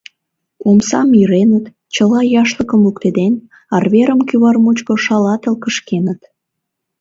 Омсам иреныт, чыла яшлыкым луктеден, арверым кӱвар мучко шалатыл кышкеныт.